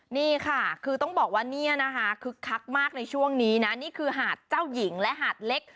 นี่ค่ะคือต้องบอกว่าเนี่ยนะคะคึกคักมากในช่วงนี้นะนี่คือหาดเจ้าหญิงและหาดเล็ก